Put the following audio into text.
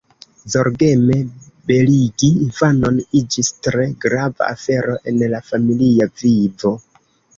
Zorgeme beligi infanon iĝis tre grava afero en la familia vivo.